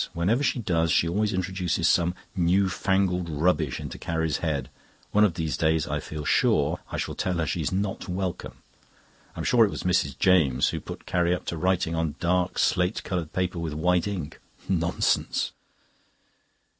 Whenever she does she always introduces some new fandangled rubbish into Carrie's head. One of these days I feel sure I shall tell her she's not welcome. I am sure it was Mrs. James who put Carrie up to writing on dark slate coloured paper with white ink. Nonsense!